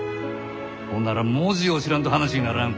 ほんなら文字を知らんと話にならん。